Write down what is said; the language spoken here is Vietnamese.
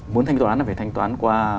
muốn thanh toán thì phải thanh toán qua